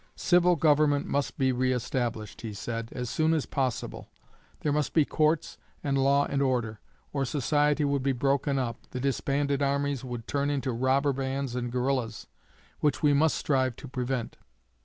Civil government must be reestablished, he said, as soon as possible; there must be courts, and law and order, or society would be broken up, the disbanded armies would turn into robber bands and guerillas, which we must strive to prevent.